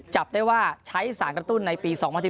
จับได้ว่าใช้สารกระตุ้นในปี๒๐๑๙